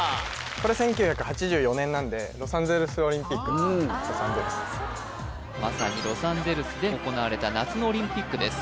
これ１９８４年なんでロサンゼルスオリンピックのロサンゼルスまさにロサンゼルスで行われた夏のオリンピックです